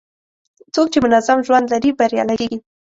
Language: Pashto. څوک چې منظم ژوند لري، بریالی کېږي.